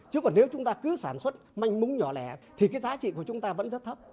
chứ còn nếu chúng ta cứ sản xuất manh múng nhỏ lẻ thì cái giá trị của chúng ta vẫn rất thấp